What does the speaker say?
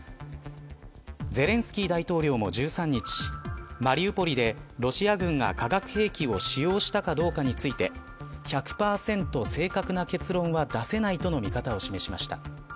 ゼレンスキー大統領も１３日マリウポリでロシア軍が化学兵器を使用したかどうかについて１００％正確な結論は出せないとの見方を示しました。